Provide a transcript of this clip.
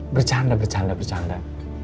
bercanda bercanda bercanda